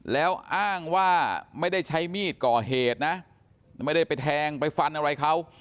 แล้วอ้างว่าไม่ได้ใช้มีดก่อเหตุนะไม่ได้ไปแทงไปฟันอะไรเขา